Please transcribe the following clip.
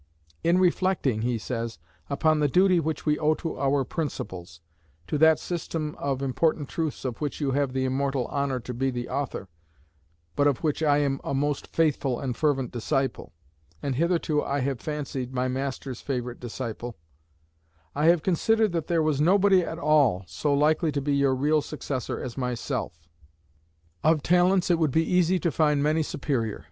"In reflecting," he says, "upon the duty which we owe to our principles, to that system of important truths of which you have the immortal honor to be the author, but of which I am a most faithful and fervent disciple, and hitherto, I have fancied, my master's favorite disciple, I have considered that there was nobody at all so likely to be your real successor as myself. Of talents it would be easy to find many superior.